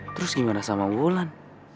terus gimana sama wulan